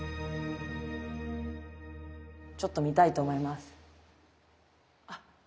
ちょっと見たいと思います。